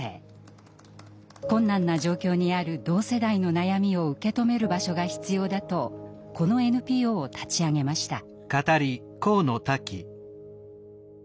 困難な状況にある同世代の悩みを受け止める場所が必要だとこのＮＰＯを立ち上げました。